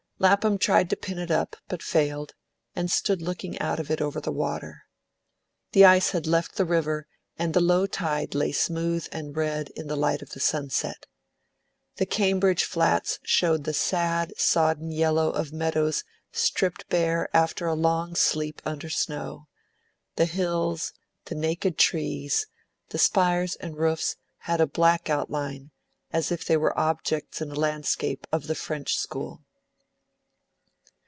Lapham tried to pin it up, but failed, and stood looking out of it over the water. The ice had left the river, and the low tide lay smooth and red in the light of the sunset. The Cambridge flats showed the sad, sodden yellow of meadows stripped bare after a long sleep under snow; the hills, the naked trees, the spires and roofs had a black outline, as if they were objects in a landscape of the French school.